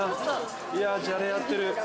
じゃれ合ってる。